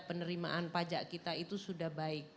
penerimaan pajak kita itu sudah baik